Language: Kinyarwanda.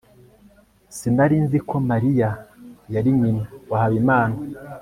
sinari nzi ko mariya yari nyina wa habimana